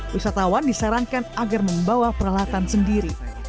wisatawan disarankan agar membawa peralatan sendiri